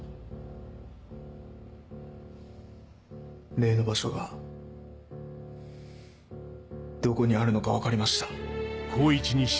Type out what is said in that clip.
例の場所がどこにあるのか分かりました。